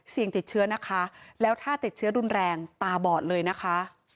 ติดเชื้อนะคะแล้วถ้าติดเชื้อรุนแรงตาบอดเลยนะคะ